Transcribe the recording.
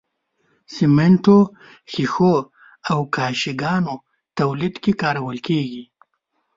سمنټو، ښيښو او کاشي ګانو تولید کې کارول کیږي.